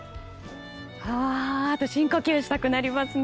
はーっと深呼吸したくなりますね。